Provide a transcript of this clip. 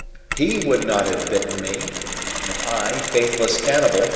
HE would not have bitten me, and I faithless cannibal!